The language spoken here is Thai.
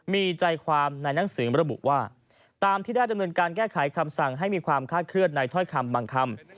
มีใจความในหนังสือระบุว่าตามที่ได้ดำเนินการแก้ไขคำสั่งให้มีความคาดเคลื่อนในถ้อยคำบางคำ